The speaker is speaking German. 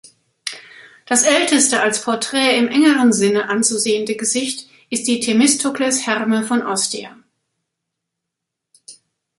Das älteste als Porträt im engeren Sinne anzusehende Gesicht ist die Themistokles-Herme von Ostia.